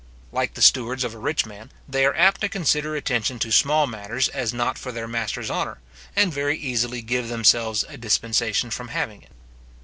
Like the stewards of a rich man, they are apt to consider attention to small matters as not for their master's honour, and very easily give themselves a dispensation from having it.